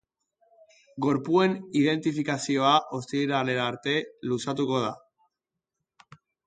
Gorpuen identifikazioa ostiralera arte luzatuko da.